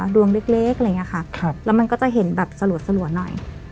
ดวงเล็กเล็กอะไรอย่างเงี้ยค่ะครับแล้วมันก็จะเห็นแบบสะหรัวสะหรัวหน่อย